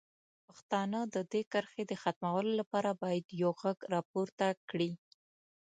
پښتانه د دې کرښې د ختمولو لپاره باید یو غږ راپورته کړي.